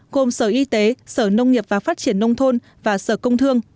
gồm sở y tế sở nông nghiệp và phát triển nông thôn và sở công thương